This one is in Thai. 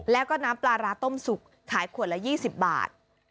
แล้วก็น้ำปลาร้าต้มสุกขายขวดละ๒๐บาท